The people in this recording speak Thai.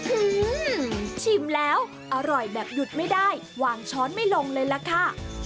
ชิมแล้วอร่อยแบบหยุดไม่ได้วางช้อนไม่ลงเลยล่ะค่ะ